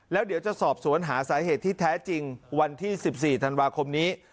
แล้วเดี๋ยวจะสอบสวนหาสาเหตุที่แท้จริงวันที่๑๔ธันวาคมนี้